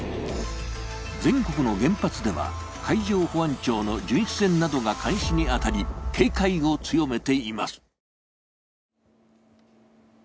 全国の原発では海上保安庁の巡視船などが監視に当たり、警戒を強めています